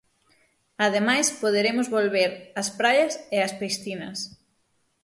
Ademais, poderemos volver ás praias e ás piscinas.